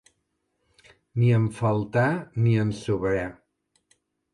Ni en faltà ni en sobrà.